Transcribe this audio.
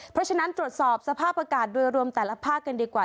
เพราะฉะนั้นตรวจสอบสภาพอากาศโดยรวมแต่ละภาคกันดีกว่า